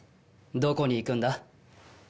どこに行くんだ？